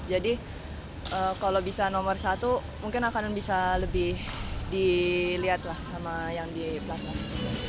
jadi kalau bisa nomor satu mungkin akan bisa lebih dilihat lah sama yang di pelatnas